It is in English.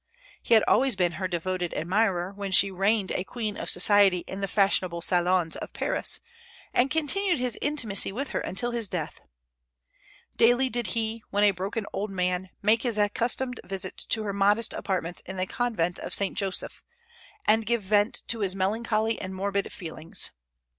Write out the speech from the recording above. He had been always her devoted admirer when she reigned a queen of society in the fashionable salons of Paris, and continued his intimacy with her until his death. Daily did he, when a broken old man, make his accustomed visit to her modest apartments in the Convent of St. Joseph, and give vent to his melancholy and morbid feelings.